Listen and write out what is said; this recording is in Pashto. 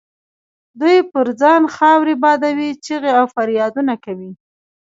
دوی پر ځان خاورې بادوي، چیغې او فریادونه کوي.